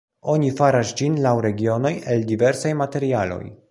Oni faras ĝin laŭ regionoj el diversaj materialoj.